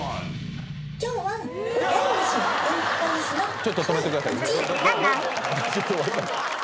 ちょっと止めてください。